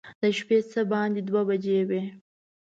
د شپې څه باندې دوه بجې وې.